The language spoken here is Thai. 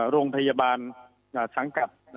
โรงพยาบาลสังกัด